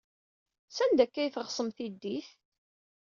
Sanda akka ay tɣeṣbem tiddit?